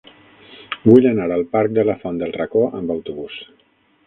Vull anar al parc de la Font del Racó amb autobús.